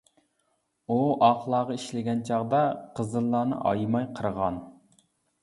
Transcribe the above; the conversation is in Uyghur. ئۇ ئاقلارغا ئىشلىگەن چاغدا، قىزىللارنى ئايىماي قىرغان.